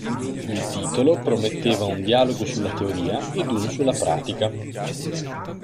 Il titolo prometteva un dialogo sulla teoria ed uno sulla pratica.